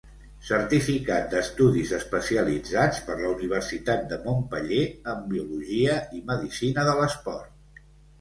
Certificat d'Estudis Especialitzats per la Universitat de Montpeller en Biologia i Medicina de l'Esport.